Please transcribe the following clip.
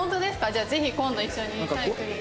じゃあぜひ今度一緒にサイクリング。